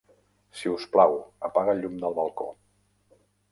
Si us plau, apaga el llum del balcó.